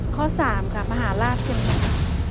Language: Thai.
ข้อ๓ค่ะมหาราชเชียงใหม่